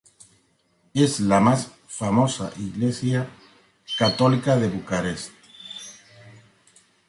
Es la más famosa iglesia católica de Bucarest.